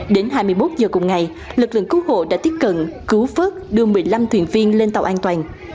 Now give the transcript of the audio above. đến hai mươi một giờ cùng ngày lực lượng cứu hộ đã tiếp cận cứu phớt đưa một mươi năm thuyền viên lên tàu an toàn